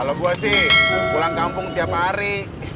bagus sih pulang kampung tiap hari